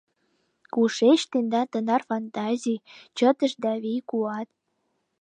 Кушеч тендан тынар фантазий, чытыш да вий-куат?